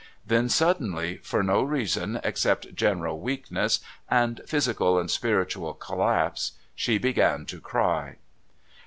Then, suddenly for no reason except general weakness and physical and spiritual collapse she began to cry.